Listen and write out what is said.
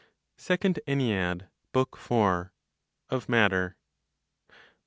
SECOND ENNEAD, BOOK FOUR. Of Matter.